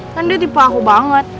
kan dia tipe aku banget